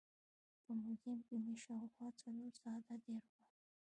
په موزیم کې مې شاوخوا څلور ساعت تېر کړل.